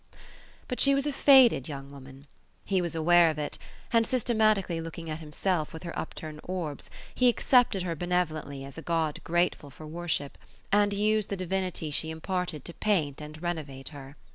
But she was a faded young woman. He was aware of it; and systematically looking at himself with her upturned orbs, he accepted her benevolently as a God grateful for worship, and used the divinity she imparted to paint and renovate her.